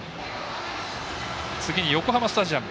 次に横浜スタジアム。